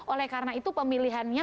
oleh karena itu pemilihannya